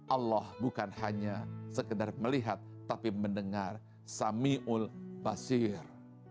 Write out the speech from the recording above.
allah bukan hanya sekedar melihat tapi mendengar samiul bashir